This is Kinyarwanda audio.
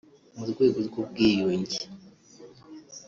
mu rwego rw’ubwiyunge